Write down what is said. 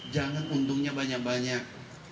jangan untungnya banyak banyak